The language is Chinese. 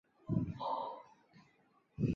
教区包括亚马孙大区南部五省。